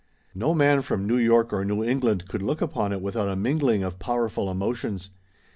No man from New York or New England could look upon it without a mingling of powerful emotions.